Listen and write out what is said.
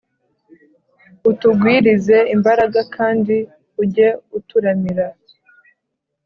Utugwirize imbaraga kandi ujye uturamira